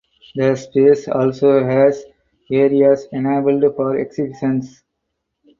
The space also has areas enabled for exhibitions.